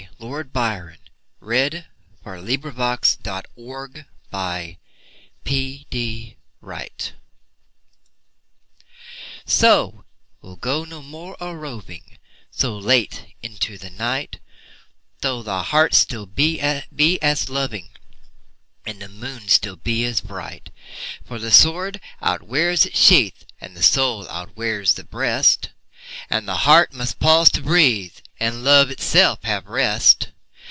Lord Byron, (George Gordon) So We'll Go No More a Roving SO we'll go no more a roving So late into the night, Though the heart still be as loving, And the moon still be as bright. For the sword outwears its sheath, And the soul outwears the breast, And the heart must pause to breathe, And love itself have rest.